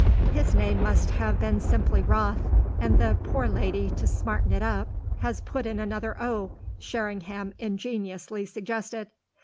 "His name must have been simply Roth, and the poor lady, to smarten it up, has put in another o," Sherringham ingeniously suggested.